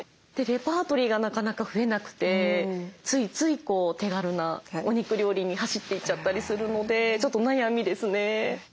レパートリーがなかなか増えなくてついつい手軽なお肉料理に走っていっちゃったりするのでちょっと悩みですね。